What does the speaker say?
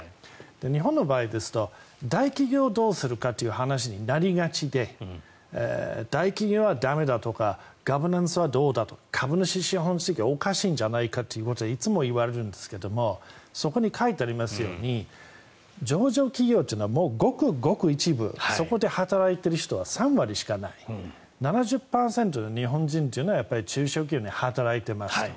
日本の場合ですと、大企業をどうするかって話になりがちで大企業は駄目だとかガバナンスはどうだとか株主資本主義はおかしいんじゃないかということでいつも言われるんですがそこに書いてありますように上場企業は、ごくごく一部そこで働いている人は３割しかない７０％の日本人は中小企業で働いていますと。